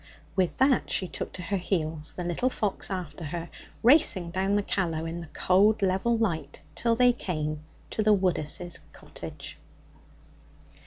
With that she took to her heels, the little fox after her, racing down the Callow in the cold level light till they came to the Woodus's cottage.